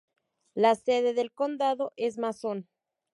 La sede del condado es Mason.